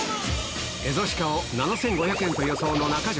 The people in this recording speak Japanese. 蝦夷鹿を７５００円と予想の中条。